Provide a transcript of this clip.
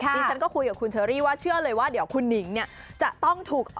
ดิฉันก็คุยกับคุณเชอรี่ว่าเชื่อเลยว่าเดี๋ยวคุณหนิงเนี่ยจะต้องถูก